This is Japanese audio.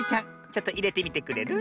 ちょっといれてみてくれる？